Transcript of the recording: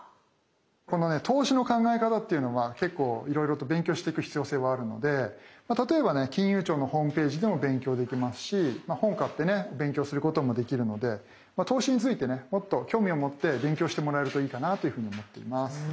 この投資の考え方っていうのは結構いろいろと勉強していく必要性はあるので例えばね金融庁のホームページでも勉強できますし本買ってね勉強することもできるので投資についてねもっと興味を持って勉強してもらえるといいかなというふうに思っています。